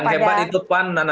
yang hebat itu pan nana